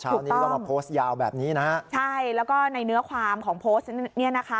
เช้านี้ก็มาโพสต์ยาวแบบนี้นะฮะใช่แล้วก็ในเนื้อความของโพสต์เนี่ยนะคะ